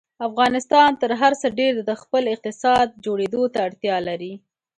افغانستان تر هر څه ډېر د خپل اقتصاد جوړېدو ته اړتیا لري.